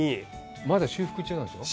まだ修復中なんでしょう？